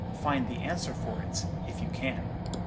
Find the answer for it, if you can.